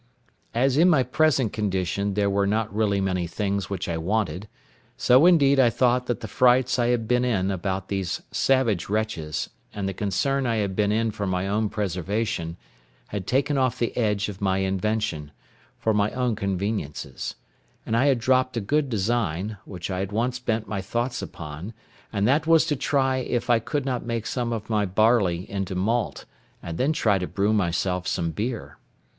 As in my present condition there were not really many things which I wanted, so indeed I thought that the frights I had been in about these savage wretches, and the concern I had been in for my own preservation, had taken off the edge of my invention, for my own conveniences; and I had dropped a good design, which I had once bent my thoughts upon, and that was to try if I could not make some of my barley into malt, and then try to brew myself some beer.